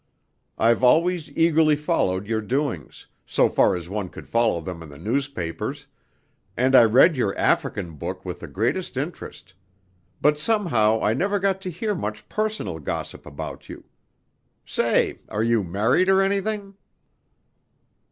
I've always eagerly followed your doings, so far as one could follow them in the newspapers, and I read your African book with the greatest interest; but somehow I never got to hear much personal gossip about you. Say, are you married or anything?"